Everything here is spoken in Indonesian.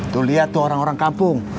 tuh lihat tuh orang orang kampung